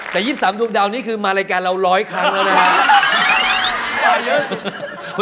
แต่๒๓ดวงดาวนี้คือมารายการเรา๑๐๐ครั้งแล้วนะครับ